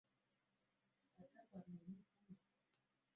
Uwepo wa matumizi makubwa wa lugha za kibantu